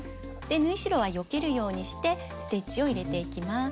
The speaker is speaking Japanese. で縫い代はよけるようにしてステッチを入れていきます。